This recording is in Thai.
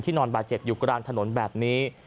นอนบาดเจ็บอยู่กลางถนนแบบนี้